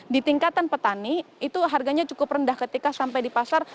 di tingkatan petani itu harganya cukup rendah ketika sampai di pasar